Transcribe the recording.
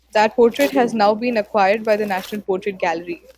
That portrait has now been acquired by the National Portrait Gallery.